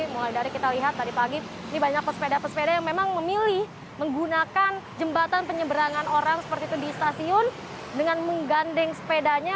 mulai dari kita lihat tadi pagi ini banyak pesepeda pesepeda yang memang memilih menggunakan jembatan penyeberangan orang seperti itu di stasiun dengan menggandeng sepedanya